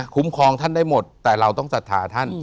ครองท่านได้หมดแต่เราต้องศรัทธาท่าน